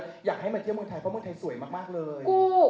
เพราะเมืองไทยสวยมากเลย